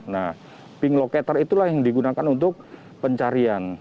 nah ping locator itulah yang digunakan untuk pencarian